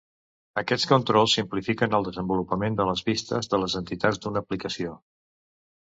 Aquests controls simplifiquen el desenvolupament de les vistes de les entitats d'una aplicació.